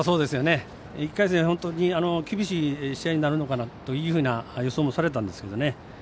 １回戦、本当に厳しい試合になるのかなという予想もされたんですけどね。